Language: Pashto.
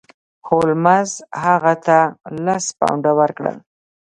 هولمز هغه ته لس پونډه ورکړل.